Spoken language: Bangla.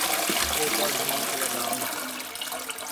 এরপর ভেঙে ফেলে দেওয়া হতো।